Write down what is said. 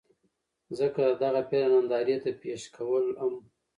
ځکه د دغه فلم نندارې ته پېش کول هم